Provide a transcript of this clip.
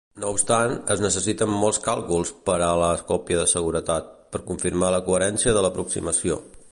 No obstant, es necessiten molts càlculs pera a la còpia de seguretat, per confirmar la coherència de l"aproximació.